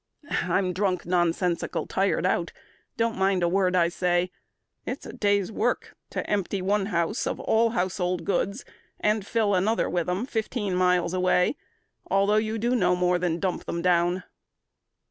_" "I'm drunk nonsensical tired out; Don't mind a word I say. It's a day's work To empty one house of all household goods And fill another with 'em fifteen miles away, Although you do no more than dump them down."